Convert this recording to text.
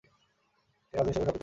তিনি রাজনীতির সাথে সম্পৃক্ত ছিলেন।